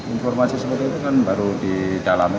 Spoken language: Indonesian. informasi seperti itu kan baru di dalamnya